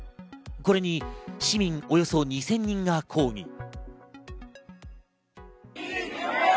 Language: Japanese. これに市民およそ２０００人が抗議。